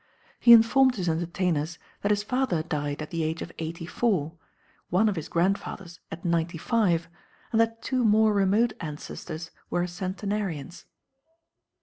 He informed his entertainers that his father died at the age of eighty four, one of his grandfathers at ninety five, and that two more remote ancestors were centenarians.